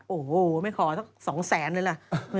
โอ้โหไม่ขอสัก๒แสนเลยล่ะ